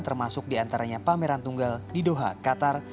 termasuk di antaranya pameran tunggal di doha qatar